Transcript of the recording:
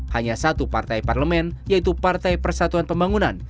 hanya satu partai parlemen yaitu partai persatuan pembangunan